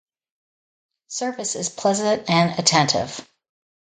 Service is pleasant and attentive.